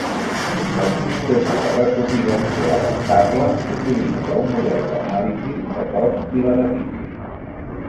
El sistema de recopilació adaptable utilitza un model d'anàlisi de cost i benefici.